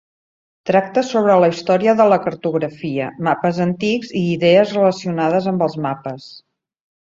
Tracta sobre la història de la cartografia, mapes antics i idees relacionades amb els mapes.